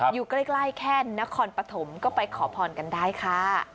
อยู่ใกล้แค่นครปฐมก็ไปขอพรกันได้ค่ะ